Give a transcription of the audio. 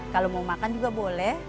kalau mau makan juga boleh